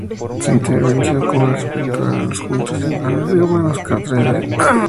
Su intervención con respecto a las Juntas de Infanzones de Obanos es contradictoria.